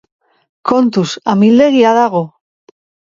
Kontuz! Amildegia dago!!!